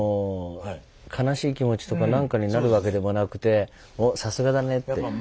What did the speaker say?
悲しい気持ちとかなんかになるわけでもなくて「おさすがだね！」って。